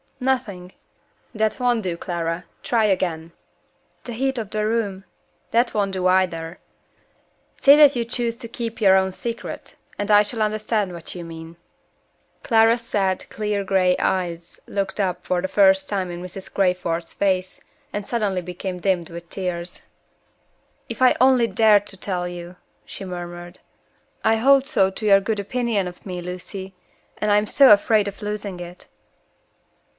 "Nothing." "That won't do, Clara. Try again." "The heat of the room " "That won't do, either. Say that you choose to keep your own secrets, and I shall understand what you mean." Clara's sad, clear gray eyes looked up for the first time in Mrs. Crayford's face, and suddenly became dimmed with tears. "If I only dared tell you!" she murmured. "I hold so to your good opinion of me, Lucy and I am so afraid of losing it."